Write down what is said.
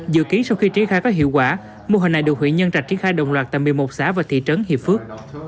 dự ký sau khi triết khai có hiệu quả mô hình này được huyện nhân trạch triết khai đồng loạt tại một mươi một xã và thị trấn hiệp phước